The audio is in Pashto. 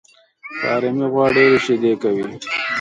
فارمي غوا ډېري شيدې کوي